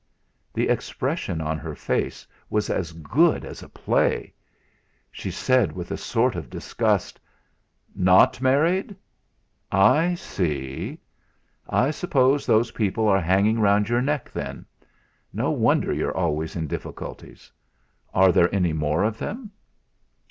The expression on her face was as good as a play! She said with a sort of disgust: "Not married! I see. I suppose those people are hanging round your neck, then; no wonder you're always in difficulties. Are there any more of them?"